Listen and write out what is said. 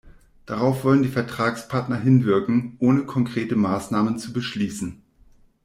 Darauf wollen die Vertragspartner hinwirken, ohne konkrete Maßnahmen zu beschließen.